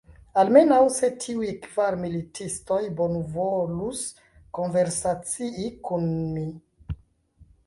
Almenaŭ, se tiuj kvar militistoj bonvolus konversacii kun mi!